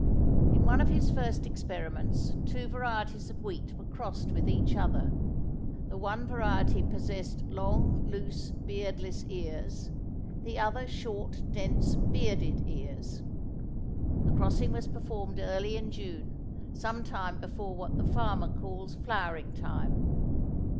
In one of his first experiments two varieties of wheat were crossed with each other. The one variety possessed long loose beardless ears, the other short dense bearded ears. The crossing was performed early in June, sometime before what the farmer calls flowering time.